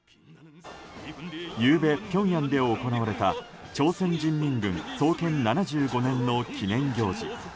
ゆうべ、ピョンヤンで行われた朝鮮人民軍創建７５年の記念行事。